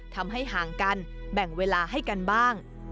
ห่างกันแบ่งเวลาให้กันบ้าง